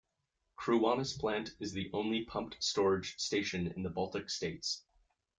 Kruonis Plant is the only pumped-storage station in the Baltic states.